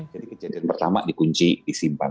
jadi kejadian pertama dikunci disimpan